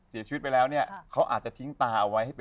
เสียชีวิตไปแล้วเขาอาจจะทิ้งตาเอาไว้